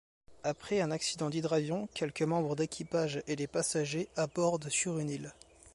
Après un accident d'hydravion, quelques membres d'équipage et les passagers abordent sur une île.